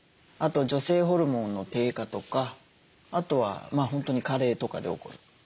あと女性ホルモンの低下とかあとは本当に加齢とかで起こる。